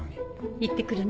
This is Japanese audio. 行って来るね。